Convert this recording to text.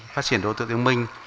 phát triển đô thị thông minh